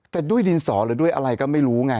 แต่ด้วยดินสอหรือด้วยอะไรก็ไม่รู้ไง